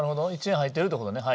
１円入ってるってことね。